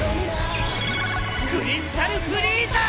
クリスタルフリーザー！